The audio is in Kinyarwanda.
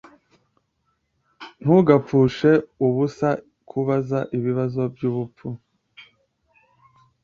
Ntugapfushe ubusa kubaza ibibazo byubupfu